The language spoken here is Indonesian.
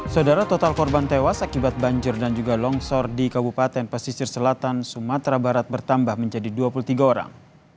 saudara total korban tewas akibat banjir dan juga longsor di kabupaten pesisir selatan sumatera barat bertambah menjadi dua puluh tiga orang